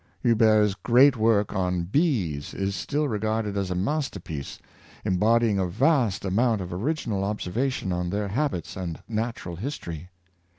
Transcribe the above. Ruber's great work on " Bees " is still regarded as a masterpiece, embodying a vast amount of original observation on their habits and natural history.